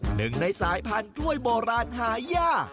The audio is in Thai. หนึ่งในสายพันธุ์กล้วยโบราณหายาก